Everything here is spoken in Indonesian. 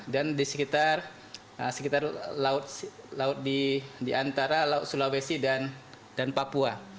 dan di sekitar laut di antara sulawesi dan papua